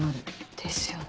ですよね。